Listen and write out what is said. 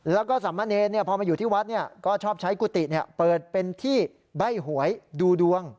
แล้วก็สามเณรพอมาอยู่ที่วัดก็ชอบใช้กุฏิเปิดเป็นที่ใบ้หวยดูดวง